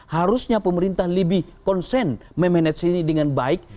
harusnya pemerintah lebih konsen memanage ini dengan baik